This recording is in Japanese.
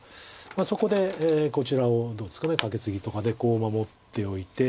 そこでこちらをどうですかカケツギとかでこう守っておいて。